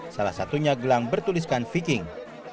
salah satunya gelang bertuliskan viking